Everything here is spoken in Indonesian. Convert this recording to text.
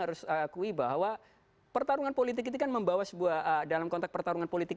harus akui bahwa pertarungan politik itu kan membawa sebuah dalam konteks pertarungan politik